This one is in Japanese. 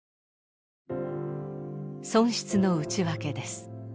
損失の内訳です。